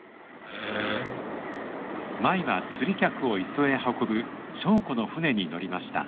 舞は釣り客を磯へ運ぶ祥子の船に乗りました。